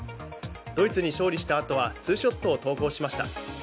ドイツに勝利したあとはツーショットを投稿しました。